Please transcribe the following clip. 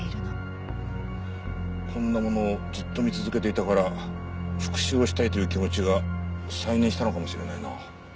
こんなものをずっと見続けていたから復讐をしたいという気持ちが再燃したのかもしれないな。